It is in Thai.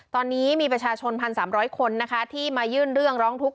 ตอนนี้มีประชาชน๑๓๐๐คนนะคะที่มายื่นเรื่องร้องทุกข